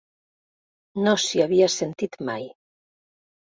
No s'hi havia sentit mai.